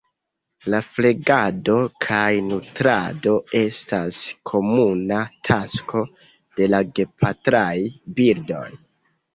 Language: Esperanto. La flegado kaj nutrado estas komuna tasko de la gepatraj birdoj.